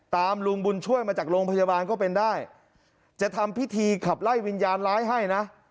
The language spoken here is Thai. ลุงบุญช่วยมาจากโรงพยาบาลก็เป็นได้จะทำพิธีขับไล่วิญญาณร้ายให้นะ